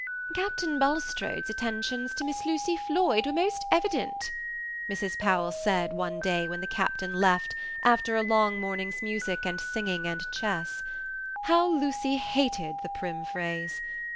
"Captain Bulstrode's attentions to Miss Lucy Floyd were most evident," Mrs. Powell said one day when the captain left, after a long morning's music, and singing, and chess. How Lucy hated the prim phrase!